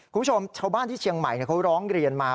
คุณผู้ชมชาวบ้านที่เชียงใหม่เขาร้องเรียนมา